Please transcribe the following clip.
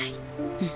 うん。